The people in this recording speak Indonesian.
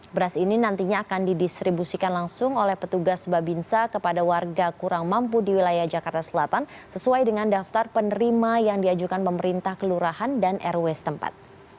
beras ini nantinya akan didistribusikan langsung oleh petugas babinsa kepada warga kurang mampu di wilayah jakarta selatan sesuai dengan daftar penerima yang diajukan pemerintah kelurahan dan rw setempat